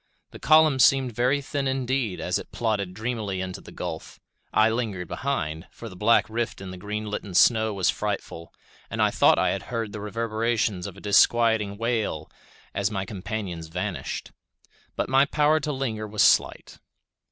The column seemed very thin indeed as it plodded dreamily into the gulf. I lingered behind, for the black rift in the green litten snow was frightful, and I thought I had heard the reverberations of a disquieting wail as my companions vanished; but my power to linger was slight.